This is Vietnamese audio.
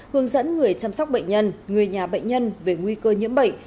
hướng dẫn người chăm sóc bệnh nhân người nhà bệnh nhân về nguy cơ nhiễm bệnh